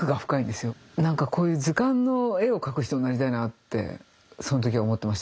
何かこういう図鑑の絵を描く人になりたいなってその時は思ってましたね。